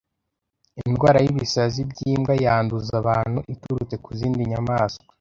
Indwara y’ibisazi by’imbwa yanduza abantu iturutse ku zindi nyamaswa.